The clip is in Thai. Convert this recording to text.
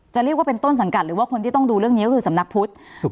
เรียกว่าเป็นต้นสังกัดหรือว่าคนที่ต้องดูเรื่องนี้ก็คือสำนักพุทธครับ